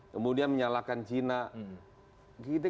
kemudian menyalahkan china